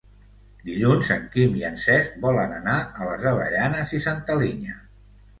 Dilluns en Quim i en Cesc volen anar a les Avellanes i Santa Linya.